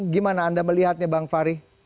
gimana anda melihatnya bang fahri